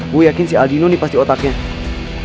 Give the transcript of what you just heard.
gue yakin si aldino nih pasti otaknya